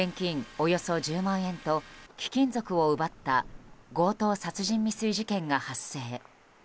およそ１０万円と貴金属を奪った強盗殺人未遂事件が発生。